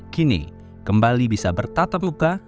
kini kembali bisa bertatap muka